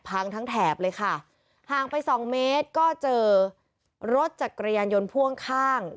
ทั้งแถบเลยค่ะห่างไปสองเมตรก็เจอรถจักรยานยนต์พ่วงข้าง